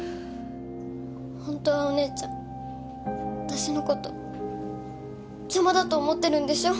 本当はお姉ちゃん私のこと邪魔だと思ってるんでしょ？